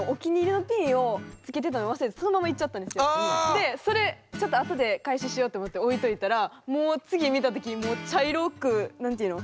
でそれちょっとあとで回収しようって思って置いといたらもう次見た時に茶色く何て言うの？